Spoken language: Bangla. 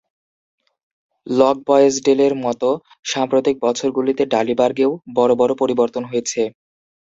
লকবয়েসডেলের মতো, সাম্প্রতিক বছরগুলোতে ডালিবার্গেও বড় বড় পরিবর্তন হয়েছে।